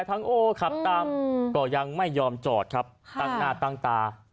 ทั้งโอขับตามก็ยังไม่ยอมจอดครับตั้งหน้าตั้งตา